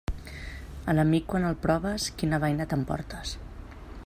A l'amic, quan el proves, quina baina t'emportes.